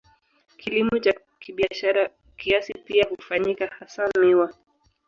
Kilimo cha kibiashara kiasi pia hufanyika, hasa miwa.